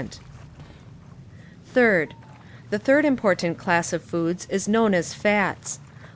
Third: The third imi)ortant class of foods is known as fats.